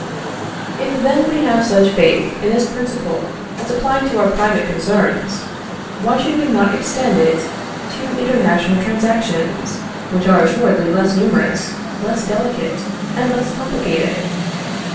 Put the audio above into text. If then we have such faith in this principle as applied to our private concerns, why should we not extend it to international transactions, which are assuredly less numerous, less delicate, and less complicated?